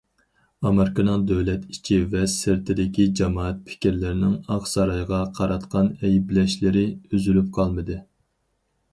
ئامېرىكىنىڭ دۆلەت ئىچى ۋە سىرتىدىكى جامائەت پىكىرلىرىنىڭ ئاق سارايغا قاراتقان ئەيىبلەشلىرى ئۈزۈلۈپ قالمىدى.